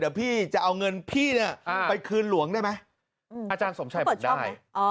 เดี๋ยวพี่จะเอาเงินพี่เนี่ยไปคืนหลวงได้ไหมอาจารย์สมชัยบอกได้